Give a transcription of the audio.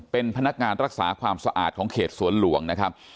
เป็นพนักงานรักษาความสะอาดของเขตสวนหลวงนะครับ